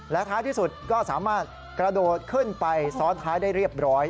และท้ายที่สุดก็สามารถกระโดดขึ้นไปซ้อนท้ายได้เรียบร้อย